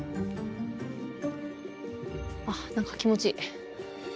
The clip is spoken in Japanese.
あっ何か気持ちいい。